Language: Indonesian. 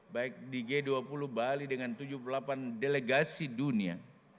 baik di g dua puluh bali dengan tujuh puluh delapan delegasi dunia